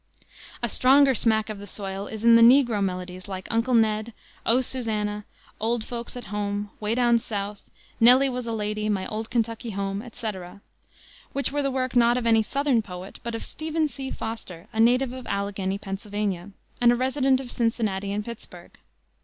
A stronger smack of the soil is in the negro melodies like Uncle Ned, O Susanna, Old Folks at Home, Way Down South, Nelly was a Lady, My Old Kentucky Home, etc., which were the work not of any southern poet, but of Stephen C. Foster, a native of Allegheny, Pa., and a resident of Cincinnati and Pittsburg.